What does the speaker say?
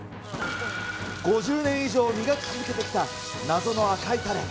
５０年以上磨き続けてきた謎の赤いたれ。